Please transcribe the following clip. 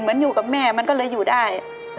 เหมือนกับอยู่กับแม่มันก็เลยอยู่ได้